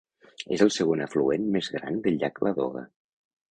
És el segon afluent més gran del llac Ladoga.